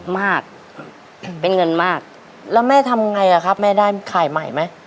มากเป็นเงินมากแล้วแม่ทำไงอ่ะครับแม่ได้ขายใหม่ไหม